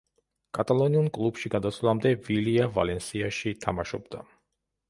კატალონიურ კლუბში გადასვლამდე, ვილია „ვალენსიაში“ თამაშობდა.